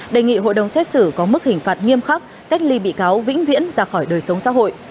đề nghị hội đồng xét xử có mức hình phạt nghiêm khắc cách ly bị cáo vĩnh viễn ra khỏi đời sống xã hội